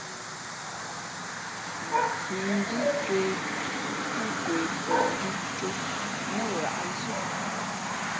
Nkhʉndhǐ cwēh, α kwe pαndhī cō nά hǎʼzʉ́.